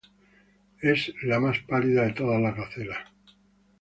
Es la más pálida de todas las gacelas.